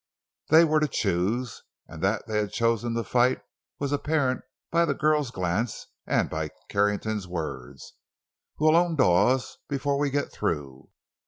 They were to choose. And that they had chosen to fight was apparent by the girl's glance, and by Carrington's words, "We'll own Dawes before we get through."